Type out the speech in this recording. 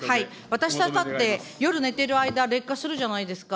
私だって、夜寝てる間、劣化するじゃないですか。